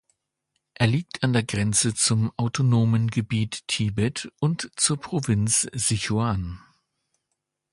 Er liegt an der Grenze zum Autonomen Gebiet Tibet und zur Provinz Sichuan.